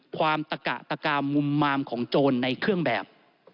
ตะกะตะกามุมมามของโจรในเครื่องแบบ